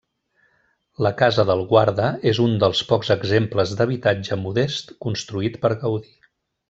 La Casa del Guarda és un dels pocs exemples d'habitatge modest construït per Gaudí.